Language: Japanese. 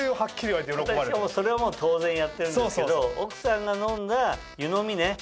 私はそれは当然やってるんですけど奥さんが飲んだ湯飲みね。